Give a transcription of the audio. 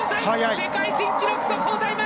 世界記録、速報タイム！